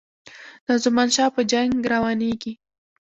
د زمانشاه په جنګ روانیږي.